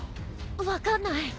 分かんない。